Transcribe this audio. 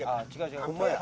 ホンマや。